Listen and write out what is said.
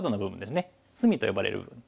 「隅」と呼ばれる部分。